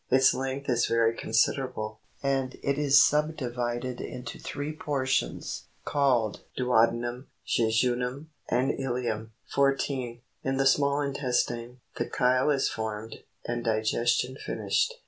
Its length is very considerable, and it is sub divided into three portions, sailed : Duodenum, Jejunum, and Ilium. 14. In the small intestine, the chyle is formed, and diges tion finished.